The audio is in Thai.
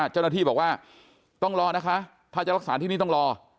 เจ้าหน้าที่บอกว่าต้องรอนะคะถ้าจะรักษาที่นี่ต้องรอ